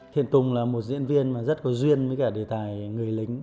thiện tùng là một diễn viên rất có duyên với đề tài người lính